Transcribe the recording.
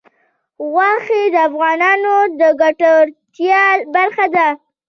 غوښې د افغانانو د ګټورتیا برخه ده.